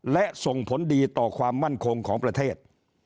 และส่งผลดีต่อความมั่นคงของประเทศ